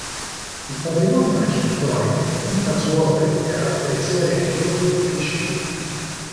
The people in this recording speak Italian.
Il patrimonio architettonico conta su opere di carattere sia religioso che civile.